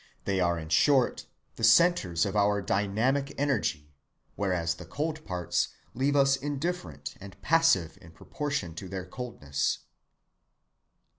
They are in short the centres of our dynamic energy, whereas the cold parts leave us indifferent and passive in proportion to their coldness.